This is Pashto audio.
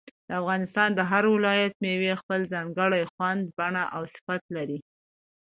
د افغانستان د هر ولایت مېوې خپل ځانګړی خوند، بڼه او صفت لري.